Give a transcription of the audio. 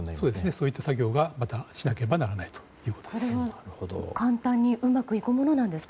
そういう作業をまたしなければならないということです。